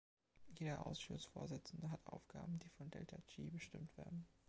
Jeder Ausschussvorsitzende hat Aufgaben, die von Delta Chi bestimmt werden.